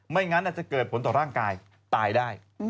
งั้นอาจจะเกิดผลต่อร่างกายตายได้